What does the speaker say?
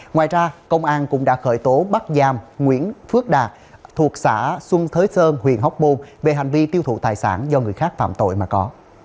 ngoài ra công an cũng đã khởi tố bắt giam nguyễn phước đạt thuộc xã xuân thới sơn huyện hóc môn về hành vi tiêu thụ tài sản do người khác phạm tội mà có